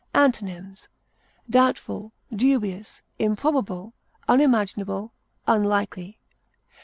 Antonyms: doubtful, dubious, improbable, unimaginable, unlikely.